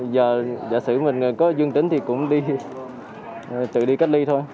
giờ giả sử mình có dương tính thì cũng tự đi cách ly thôi